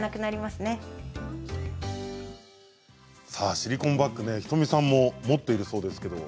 シリコンバッグ仁美さんも持っているそうですね。